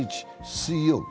水曜日